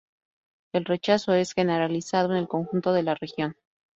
El rechazo es generalizado en el conjunto de la región.